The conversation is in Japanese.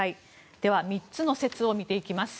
では、３つの説を見ていきます。